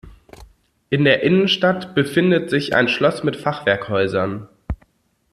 In der Innenstadt befindet sich ein Schloss mit Fachwerkhäusern.